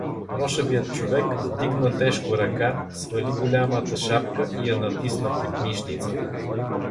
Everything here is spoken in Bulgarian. Рошавият човек вдигна тежко ръка, свали голямата шапка и я натисна под мишница.